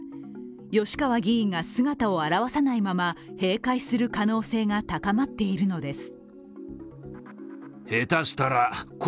吉川議員が姿を現さないまま、閉会する可能性が高まっているのです。